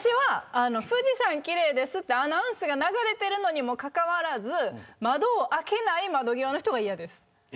富士山、奇麗ですというアナウンスが流れているにもかかわらず窓を開けない窓際の人が嫌です。